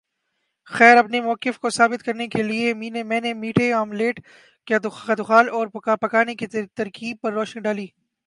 خیر اپنے موقف کو ثابت کرنے کے لئے میں نے میٹھے آملیٹ کے خدوخال اور پکانے کی ترکیب پر روشنی ڈالی